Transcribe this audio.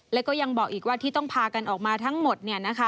แล้วก็ยังบอกอีกว่าที่ต้องพากันออกมาทั้งหมด